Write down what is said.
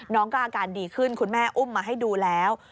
น้องก็อาการดีขึ้นคุณแม่อุ้มมาให้ดูแล้ว